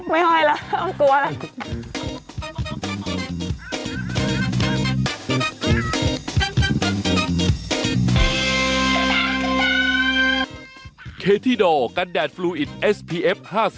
ไม่ห้อยล่ะอ้ามกลัวล่ะ